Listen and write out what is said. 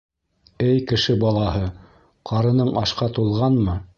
Эй, кеше балаһы, ҡарының ашҡа тулғанмы?